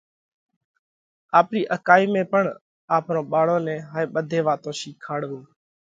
آپرِي اڪائِي ۾ پڻ آپرون ٻاۯون نئہ هائي ٻڌي واتون شِيکاڙوَو۔